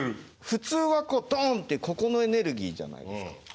普通はドンってここのエネルギーじゃないですか。